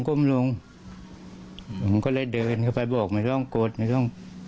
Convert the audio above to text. ก้มลงผมก็เลยเดินเข้าไปบอกไม่ต้องกดไม่ต้อง